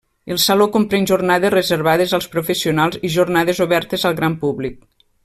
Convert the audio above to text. El saló comprèn jornades reservades als professionals i jornades obertes al gran públic.